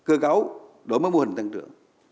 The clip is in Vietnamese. đổi mới cấu đổi mới mô hình tăng trưởng